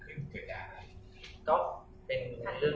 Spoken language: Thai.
หรือเป็นอะไรที่คุณต้องการให้ดู